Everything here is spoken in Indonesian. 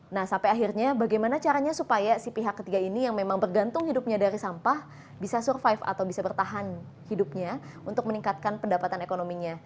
nah sampai akhirnya bagaimana caranya supaya si pihak ketiga ini yang memang bergantung hidupnya dari sampah bisa survive atau bisa bertahan hidupnya untuk meningkatkan pendapatan ekonominya